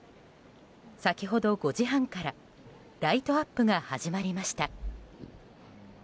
先ほど５時半からライトアップが始まりました。